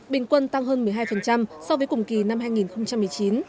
bình quân tăng hơn một mươi hai so với cùng kỳ năm hai nghìn một mươi chín